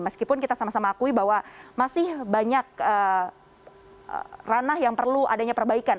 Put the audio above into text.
meskipun kita sama sama akui bahwa masih banyak ranah yang perlu adanya perbaikan